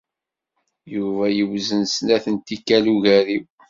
Yuba yewzen snat n tikkal ugar-iw.